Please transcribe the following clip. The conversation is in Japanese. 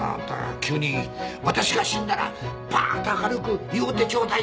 急に「私が死んだらパーッと明るく祝うてちょうだいよ」